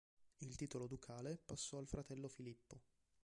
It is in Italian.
Il titolo ducale passò al fratello Filippo.